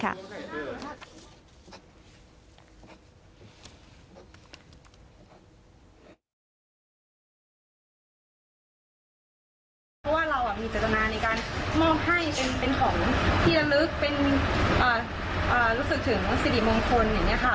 เพราะว่าเรามีจตนาในการมองให้เป็นของที่ละลึกรู้สึกถึงสิริมงคล